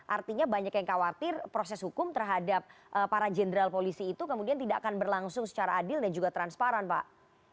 artinya banyak yang khawatir proses hukum terhadap para jenderal polisi itu kemudian tidak akan berlangsung secara adil dan juga transparan pak